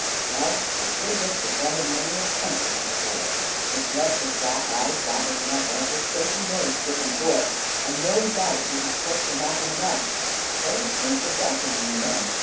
Well, his good looks had brought him many a punching as a boy, which left his black eyes blacker than ever and his shapely nose dripping gore, and no doubt he had cursed them often enough ; but they had proved a blessing in the end.